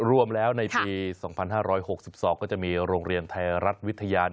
รวมแล้วในปี๒๕๖๒ก็จะมีโรงเรียนไทยรัฐวิทยา